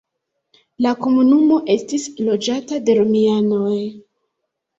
La komunumo estis loĝata de romianoj.